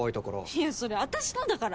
いやそれ私のだから！